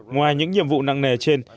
ngoài những nhiệm vụ năng nề trên